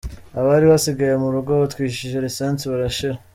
Abari basigaye mu rugo babatwikishije lisansi barashira.